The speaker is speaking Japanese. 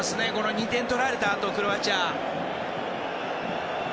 ２点取られたあと、クロアチア。